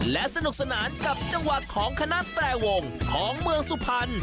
และสนุกสนานกับจังหวะของคณะแตรวงของเมืองสุพรรณ